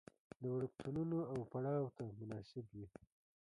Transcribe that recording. د وړکتونونو او پړاو ته مناسب وي.